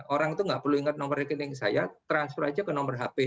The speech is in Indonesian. orang itu nggak perlu ingat nomor rekening saya transfer aja ke nomor hp